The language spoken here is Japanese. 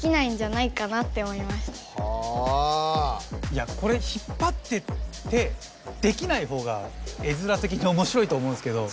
いやこれ引っぱってってできないほうが絵づらてきにおもしろいと思うんですけど。